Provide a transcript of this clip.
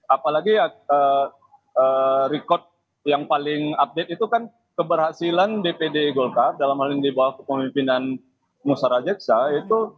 apalagi ya record yang paling update itu kan keberhasilan dpd golkar dalam hal yang dibawah kepemimpinan musara jeksa itu